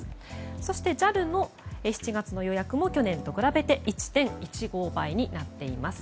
そして、ＪＡＬの７月の予約も去年と比べて１．１５倍になっています。